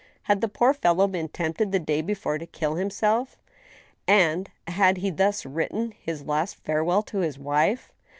Had the poor fellow 1>een tempted the day before to kill himself, and had he thus written his last farewell to his wife